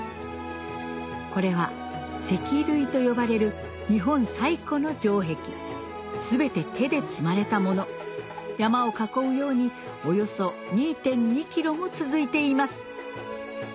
これは石塁と呼ばれる日本最古の城壁全て手で積まれたもの山を囲うようにおよそ２．２ｋｍも続いています